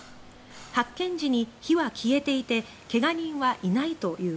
発見時に火は消えていて怪我人はいないということです。